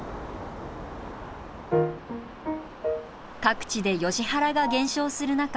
各地でヨシ原が減少する中